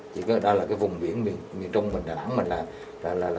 chỉ có đây là cái vùng biển miền trung mình đã làm